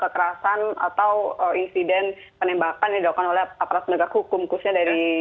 kekerasan atau insiden penembakan yang dilakukan oleh aparat penegak hukum khususnya dari